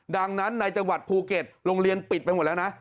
ดังนั้นในจังหวัดภูเก็ตโรงเรียนปิดไปหมดแล้วนะ